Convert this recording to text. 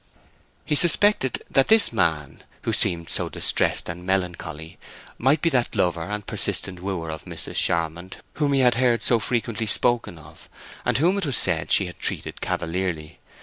He suspected that this man, who seemed so distressed and melancholy, might be that lover and persistent wooer of Mrs. Charmond whom he had heard so frequently spoken of, and whom it was said she had treated cavalierly.